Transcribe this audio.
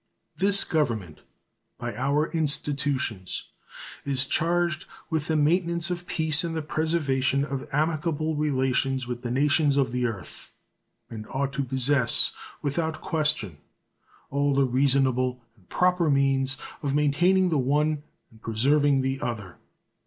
This Government, by our institutions, is charged with the maintenance of peace and the preservation of amicable relations with the nations of the earth, and ought to possess without question all the reasonable and proper means of maintaining the one and preserving the other.